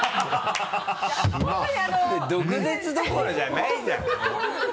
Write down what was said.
毒舌どころじゃないじゃん。